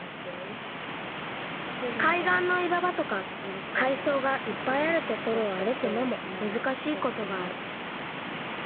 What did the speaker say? かいがんのいわばとかかいそうがいっぱいあるところをあるくのもむずかしいことがある。